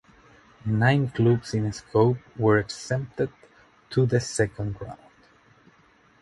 Nine clubs in scope were exempted to the second round.